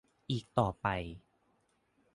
อีกต่อไป